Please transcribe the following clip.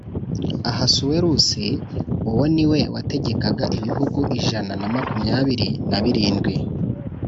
Ahasuwerusi uwo ni we wategekaga ibihugu ijana na makumyabiri na birindwi